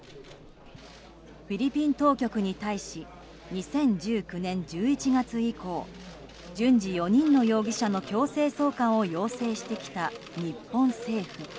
フィリピン当局に対し２０１９年１１月以降順次、４人の容疑者の強制送還を要請してきた日本政府。